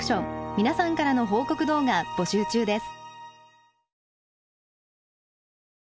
皆さんからの報告動画募集中です。